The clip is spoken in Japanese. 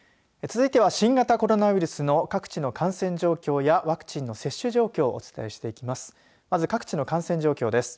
続いては新型コロナウイルスの各地の感染状況やワクチンの接種状況をお伝えしていきます。